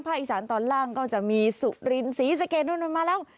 อีสานตอนล่างก็จะมีสุรินศรีสะเกดนู่นมาแล้ว